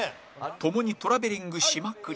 ともにトラベリングしまくり